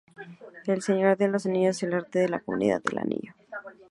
El Señor de los Anillos: el arte de La Comunidad del Anillo.